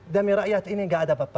demi rakyat ini gak ada apa apa